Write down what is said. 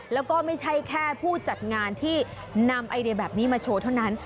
แล้วก็ไม่ใช่แค่ผู้จัดงานที่นำไอเดียแบบนี้มาโชว์เท่านั้น